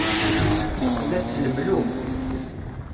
Tella teslemlum.